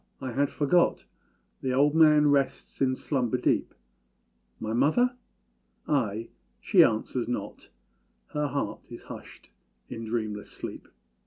I had forgot The old man rests in slumber deep: My mother? Ay! she answers not Her heart is hushed in dreamless sleep.